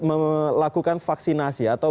melakukan vaksinasi atau